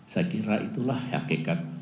saya kira itulah hakikat